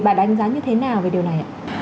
bà đánh giá như thế nào về điều này